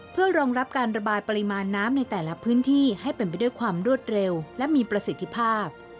เพื่อรองรับการระบายปริมาณน้ำในแต่ละพื้นที่ให้เป็นไปด้วยความรวดเร็วและมีประสิทธิภาพ